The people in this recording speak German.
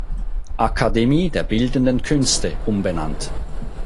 Akademie der bildenden Künste" umbenannt.